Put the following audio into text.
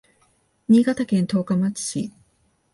新潟県十日町市